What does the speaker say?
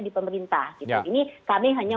di pemerintah ini kami hanya